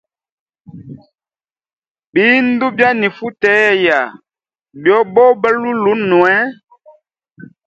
Bindu byanifuteya byoboba lulunwe.